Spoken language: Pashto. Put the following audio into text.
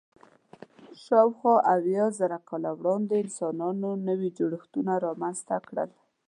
شاوخوا اویا زره کاله وړاندې انسانانو نوي جوړښتونه رامنځ ته کړل.